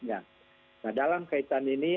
nah dalam kaitan ini